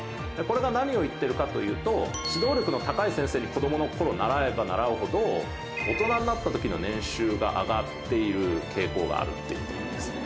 これが何をいってるかというと指導力の高い先生に子供の頃習えば習うほど大人になった時の年収が上がっている傾向があるっていってるんです。